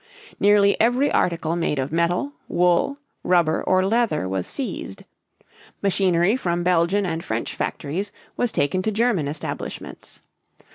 Nearly every article made of metal, wool, rubber, or leather was seized. Machinery from Belgian and French factories was taken to German establishments.